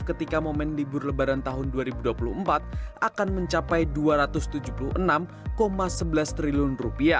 ketika momen libur lebaran tahun dua ribu dua puluh empat akan mencapai rp dua ratus tujuh puluh enam sebelas triliun